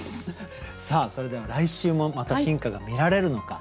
それでは来週もまた進化が見られるのか。